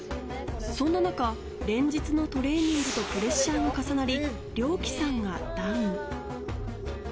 そんな中、連日のトレーニングとプレッシャーが重なりリョウキさんがダウン。